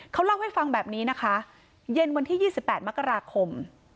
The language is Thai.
เขาเล่าให้ฟังแบบนี้นะคะเย็นวันที่๒๘มกราคม